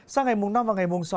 sang ngày mùng năm và ngày mùng sáu